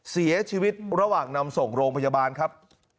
เสียชีวิตระหว่างนำส่งโรงพยาบาลครับ